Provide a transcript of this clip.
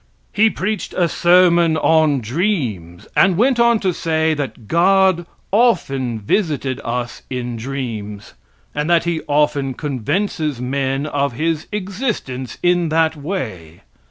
He preached a sermon on dreams, and went on to say that God often visited us in dreams, and that He often convinces men of His existence in that way.